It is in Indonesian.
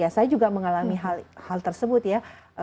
saya juga mengalami hal tersebut ya